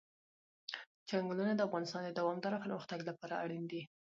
چنګلونه د افغانستان د دوامداره پرمختګ لپاره اړین دي.